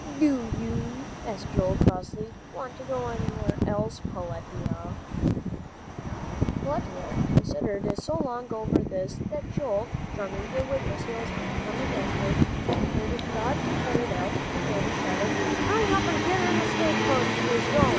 "Do you?" asked Joel, crossly. "Want to go anywheres else, Peletiah?" Peletiah considered so long over this that Joel, drumming with his heels on the dashboard, got tired out, and shouted, "Hurry up and get in th' stage coach's goin'!"